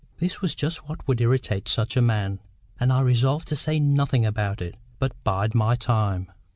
This was just what would irritate such a man, and I resolved to say nothing about it, but bide my time.